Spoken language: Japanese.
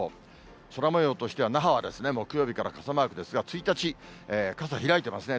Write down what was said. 空もようとしては、那覇はですね、木曜日から傘マークですが、１日、傘、開いてますね。